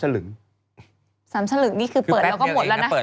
๓สลึงนี่คือเปิดแล้วก็หมดแล้วนะ